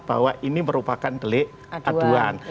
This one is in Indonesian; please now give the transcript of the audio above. bahwa ini merupakan delik aduan